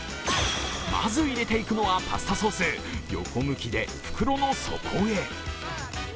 まず入れていくのはパスタソース、横向きで袋の底へ。